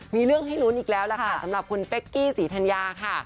มีเรื่องให้ลุ้นอีกแล้วล่ะค่ะสำหรับคุณเป๊กกี้ศรีธัญญาค่ะ